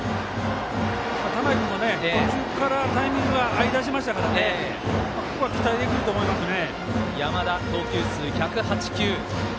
田内君も途中からタイミングが合いだしましたからここは期待できると思いますね。